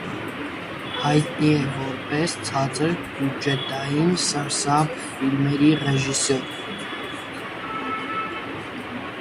Հայտնի է որպես ցածր բյուջետային սարսափ ֆիլմերի ռեժիսոր։